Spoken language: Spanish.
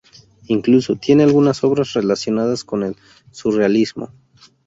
Incluso tiene algunas obras relacionadas con el surrealismo.